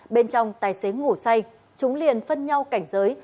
bên trong tài xế ngủ say chúng liền phân nhau cảnh giới